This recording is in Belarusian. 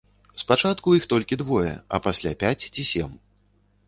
Спачатку іх толькі двое, а пасля пяць ці сем.